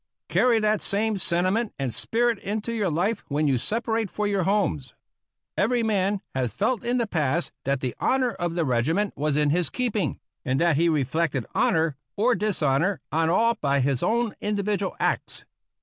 Carry that same sentiment and spirit into your life when you separate for your homes. Every man has felt in the past that the honor of the regiment was in his keeping, and that 316 APPENDIX G he reflected honor or dishonor on all by his own individual acts.